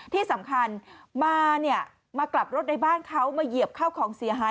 ที่สำคัญมาเนี่ยมากลับรถในบ้านเขามาเหยียบเข้าของเสียหาย